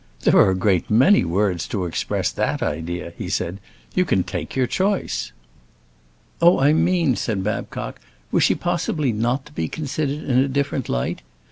"There are a great many words to express that idea," he said; "you can take your choice!" "Oh, I mean," said Babcock, "was she possibly not to be considered in a different light?